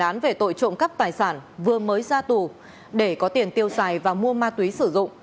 hào đã nảy sinh ý định trộm cắp tài sản vừa mới ra tù để có tiền tiêu xài và mua ma túy sử dụng